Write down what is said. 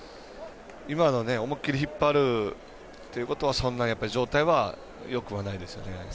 今の思い切り引っ張るということはそんなに、やっぱり状態はよくないですよね。